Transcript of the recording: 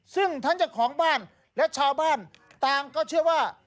ซึ่งทั้งเจ้าของบ้านและชาวบ้านต่างก็เชื่อว่า